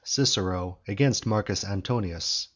CICERO AGAINST MARCUS ANTONIUS.